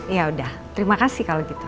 yaudah terima kasih kalo gitu